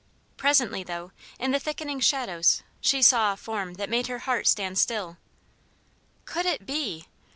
Presently, though, in the thickening shadows she saw a form that made her heart stand still. Could it be?